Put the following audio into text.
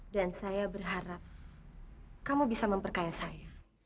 dan saya berharap kamu bisa memperkaya saya